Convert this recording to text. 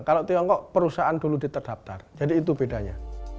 kalau tiongkok perusahaan dulu diterdaptar jadi itu bedanya